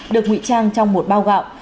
được ngụy trang trong một bao gạo